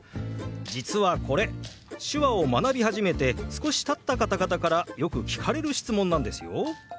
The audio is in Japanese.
実はこれ手話を学び始めて少したった方々からよく聞かれる質問なんですよ。